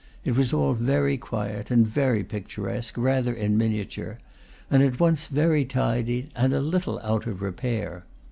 It was all very quiet and very picturesque, rather in miniature; and at once very tidy and a little out of repair.